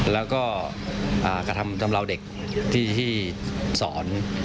แล้วก็กระทำชำราวเด็กที่สอน